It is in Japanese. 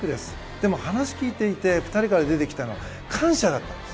でも、話を聞いていて２人から出てきたのは感謝だったんです。